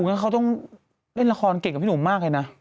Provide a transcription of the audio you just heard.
คุณก็ต้องเล่นละครเก่งกับพี่หนูมากเลยนะ